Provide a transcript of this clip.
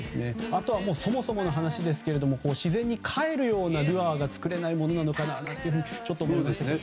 あとはそもそもの話ですけど自然にかえるようなルアーが作れないものかと思いますね。